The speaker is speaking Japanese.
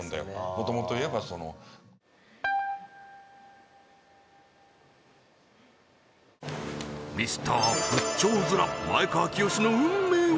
もともといえばそのミスター仏頂面前川清の運命は？